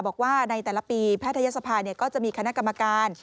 บอกว่าในแต่ละปีแพทยศภาก็จะมีคณะกรรมการ